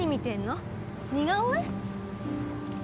似顔絵？